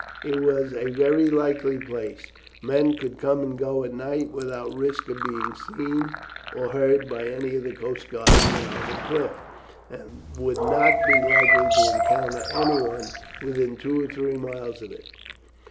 It was a very likely place; men could come and go at night without risk of being seen or heard by any of the coast guardsmen on the cliff, and would not be likely to encounter anyone within two or three miles of it.